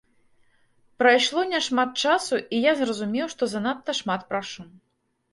Прайшло няшмат часу, і я зразумеў, што занадта шмат прашу.